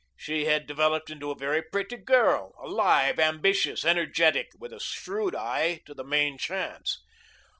She had developed into a very pretty girl, alive, ambitious, energetic, with a shrewd eye to the main chance.